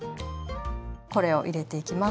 これを入れていきます。